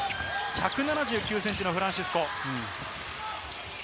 １７９ｃｍのフランシスコ。